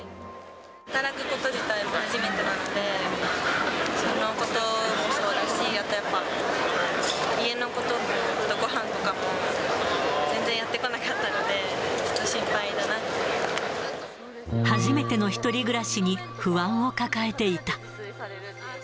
働くこと自体も初めてなので、そのこともそうだし、あとやっぱ、家のことも、ごはんとかも、全然やってこなかったので、初めての１人暮らしに不安を抱えていた。